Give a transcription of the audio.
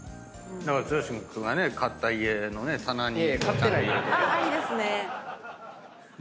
だから剛君がね買った家の棚に。